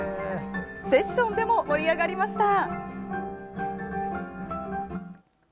セッションでも盛り上がりました。